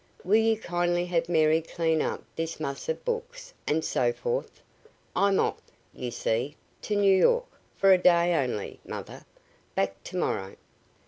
Will you kindly have Mary clean up this muss of books and so forth? I'm off, you see, to New York for a day only, mother, back tomorrow!